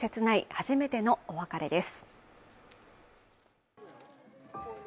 初めてのお別れです。